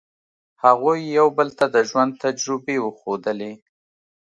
هغوی یو بل ته د ژوند تجربې وښودلې.